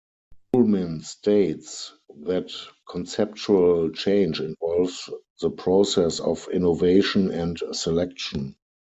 Toulmin states that conceptual change involves the process of innovation and selection.